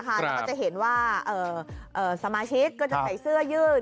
แล้วก็จะเห็นว่าสมาชิกก็จะใส่เสื้อยืด